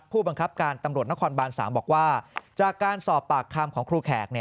ผู้บังคับการตำรวจนครบาน๓บอกว่าจากการสอบปากคำของครูแขก